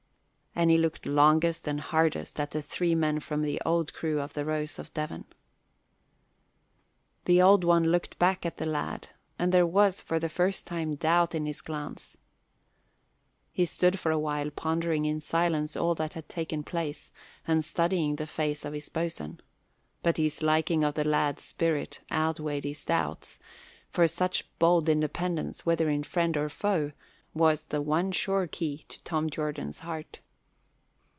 And he looked longest and hardest at the three men from the old crew of the Rose of Devon. The Old One looked back at the lad and there was, for the first time, doubt in his glance. He stood for a while pondering in silence all that had taken place and studying the face of his boatswain; but his liking of the lad's spirit outweighed his doubts, for such bold independence, whether in friend or foe, was the one sure key to Tom Jordan's heart.